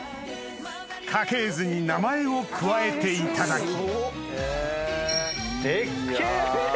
家系図に名前を加えていただきデッケェ！